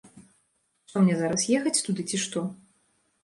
Што мне зараз, ехаць туды, ці што?